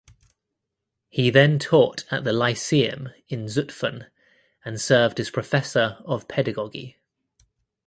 He then taught at the Lyceum in Zutphen and served as professor of pedagogy.